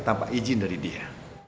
tanpa izin dari dia